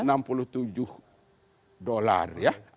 masih sekitar enam puluh tujuh dolar ya